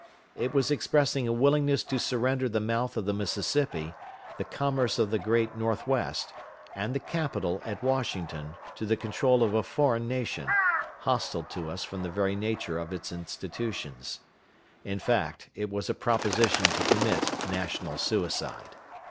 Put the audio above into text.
It was expressing a willingness to surrender the mouth of the Mississippi, the commerce of the great North west, and the Capitol at Washington, to the control of a foreign nation, hostile to us from the very nature of its institutions. In fact, it was a proposition to commit national suicide.